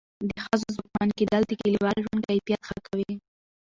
د ښځو ځواکمنېدل د کلیوال ژوند کیفیت ښه کوي.